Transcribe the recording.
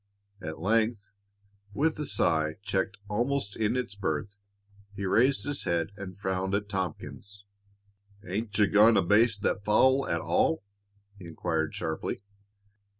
At length, with a sigh, checked almost in its birth, he raised his head and frowned at Tompkins. "Ain't you goin' to baste that fowl at all?" he inquired sharply.